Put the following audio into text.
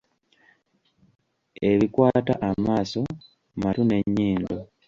Ebikwata amaaso, matu n'ennyindo.